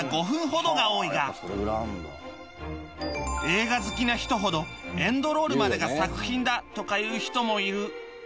映画好きな人ほどエンドロールまでが作品だとかいう人もいる